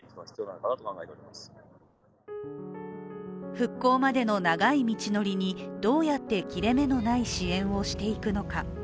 復興までの長い道のりにどうやって切れ目のない支援をしていくのか。